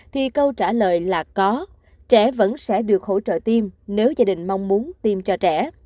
thì câu trả lời là có trẻ vẫn sẽ được hỗ trợ tim nếu gia đình mong muốn tiêm cho trẻ